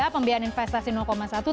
pembiayaan investasi rp satu triliun